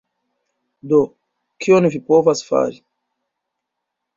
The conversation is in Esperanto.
Do, kion vi povas fari?